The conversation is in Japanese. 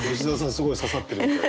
すごい刺さってるみたい。